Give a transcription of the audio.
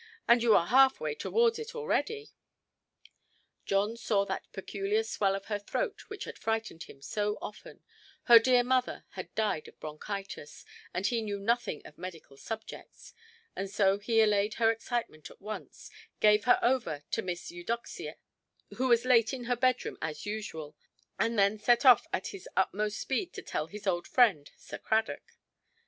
And you are half way towards it already". John saw that peculiar swell of her throat which had frightened him so often—her dear mother had died of bronchitis, and he knew nothing of medical subjects—and so he allayed her excitement at once, gave her over to Miss Eudoxia, who was late in her bedroom as usual, and then set off at his utmost speed to tell his old friend, Sir Cradock.